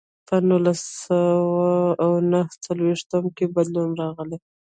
په نولس سوه او نهه څلوېښتم کې بدلون راغی.